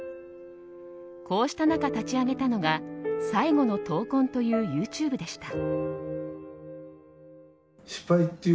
こうした中、立ち上げたのが「“最後の闘魂”」というＹｏｕＴｕｂｅでした。